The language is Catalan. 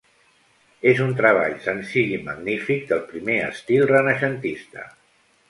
És un treball senzill i magnífic del primer estil renaixentista.